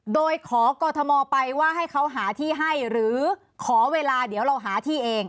โดยขอกรทมไปว่าให้เขาหาที่ให้หรือขอเวลาเดี๋ยวเราหาที่เอง